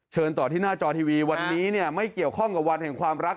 ต่อที่หน้าจอทีวีวันนี้เนี่ยไม่เกี่ยวข้องกับวันแห่งความรัก